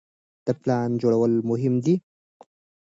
د پلان جوړول مهم دي.